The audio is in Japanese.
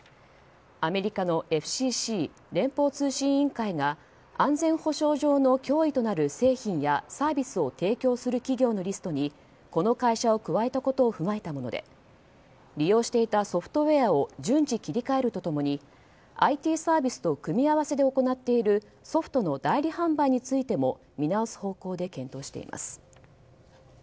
アメリカのＦＣＣ・連邦通信委員会が安全保障上の脅威となる製品やサービスを提供する企業のリストにこの会社を加えたことを踏まえたもので利用していたソフトウェアを順次切り替えると共にＩＴサービスと組み合わせで行っているソフトの代理販売についても見直す方向で検討しています。